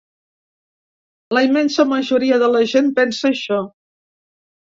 La immensa majoria de la gent pensa això.